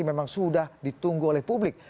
memang sudah ditunggu oleh publik